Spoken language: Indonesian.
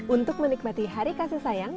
untuk menikmati hari kasih sayang